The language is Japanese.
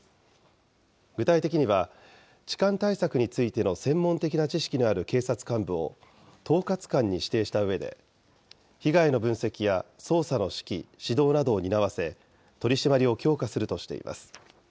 具体的には、痴漢対策についての専門的な知識のある警察幹部を統括官に指定したうえで、被害の分析や捜査の指揮・指導などを担わせ、取締りを強化するとしています。